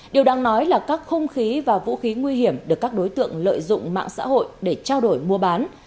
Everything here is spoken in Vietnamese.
điều đáng nói là các hung khí và vũ khí nguy hiểm được các đối tượng lợi dụng mạng xã hội để trao đổi mua bán